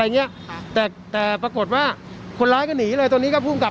อย่างเงี้ยค่ะแต่แต่ปรากฏว่าคนร้ายก็หนีเลยตอนนี้ก็ภูมิกับ